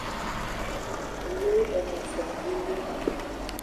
Woe ai minson bibɛ.